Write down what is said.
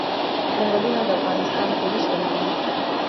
ځنګلونه د افغانستان طبعي شتمني ده.